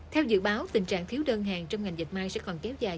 theo dự báo tình trạng thiếu đơn hàng trong ngành dịch may sẽ còn kéo dài